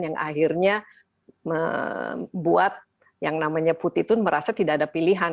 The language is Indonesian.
yang akhirnya membuat yang namanya putinun merasa tidak ada pilihan